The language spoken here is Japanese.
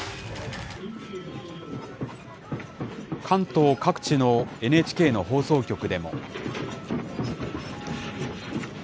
関東各地のＮＨＫの放送局でも。